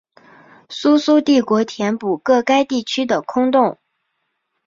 苏苏帝国填补个该地区的空洞。